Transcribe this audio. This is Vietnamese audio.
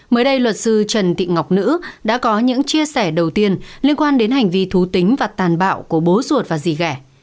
mới đây luật sư trần thị ngọc nữ đã có những chia sẻ đầu tiên liên quan đến hành vi thú tính và tàn bạo của bố ruột và dì ghẻ